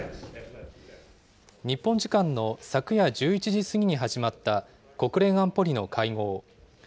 日本時間の昨夜１１時過ぎに始まった国連安保理の会合。